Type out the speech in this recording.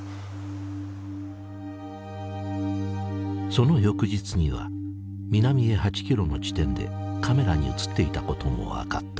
その翌日には南へ８キロの地点でカメラに写っていたことも分かった。